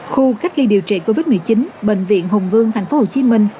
khu cách ly điều trị covid một mươi chín bệnh viện hùng vương thành phố hồ chí minh